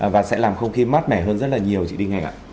và sẽ làm không khí mát mẻ hơn rất là nhiều chị đinh hẹn ạ